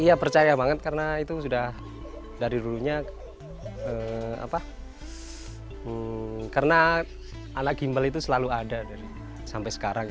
iya percaya banget karena itu sudah dari dulunya karena anak gimbal itu selalu ada sampai sekarang